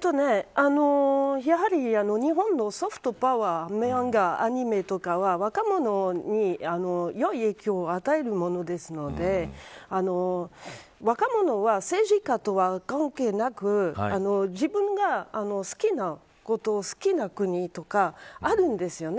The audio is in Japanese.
やはり日本のソフトパワーアニメとかは若者に良い影響を与えるものですので若者は政治家とは関係なく自分が好きなこと好きな国とかあるんですよね。